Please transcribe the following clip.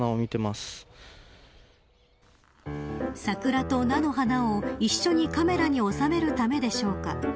桜と菜の花を一緒にカメラに収めるためでしょうか。